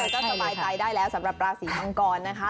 ก็สบายใจได้แล้วสำหรับราศีมังกรนะคะ